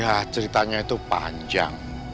ya ceritanya itu panjang